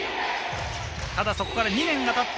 そこから２年がたって。